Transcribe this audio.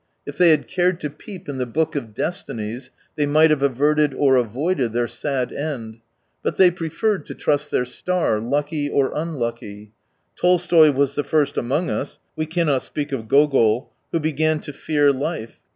If they had cared to peep in the book of destinies, they might have averted or avoided their sad end. But they pre ferred to trust their star — lucky or unlucky. Tolstoy was the first among us — we cannot speak of Gogol — who began to fear life.